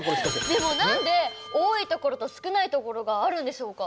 でも何で多いところと少ないところがあるんでしょうか。